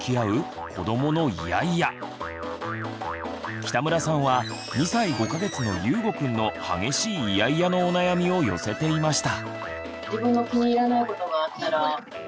北村さんは２歳５か月のゆうごくんの激しいイヤイヤのお悩みを寄せていました。